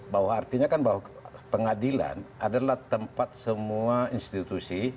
bahwa artinya kan bahwa pengadilan adalah tempat semua institusi